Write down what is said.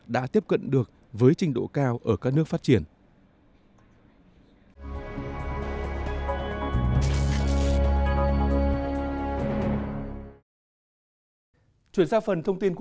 đã tiếp cận được với trình độ cao ở các nước phát triển